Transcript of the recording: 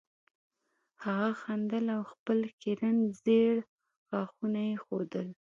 هغه خندل او خپل خیرن زیړ غاښونه یې ښودل